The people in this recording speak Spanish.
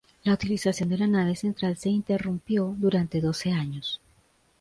La utilización de la nave central se interrumpió durante doce años.